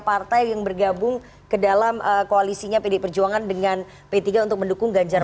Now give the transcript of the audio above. partai yang bergabung ke dalam koalisinya pd perjuangan dengan p tiga untuk mendukung ganjar